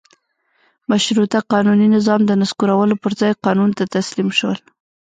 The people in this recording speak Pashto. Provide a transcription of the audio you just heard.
مشروطه قانوني نظام د نسکورولو پر ځای قانون ته تسلیم شول.